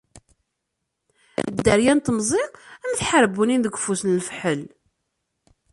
Dderya n temẓi am tḥerbunin deg ufus n lefḥel.